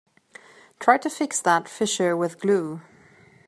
Try to fix that fissure with glue.